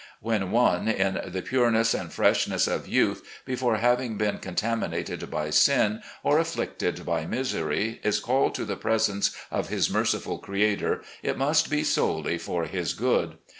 When one, in the pureness and freshness of youth, before having been contaminated by sin or afflicted by misery, is called to the presence of his Merciful Creator, it must be solely for his good.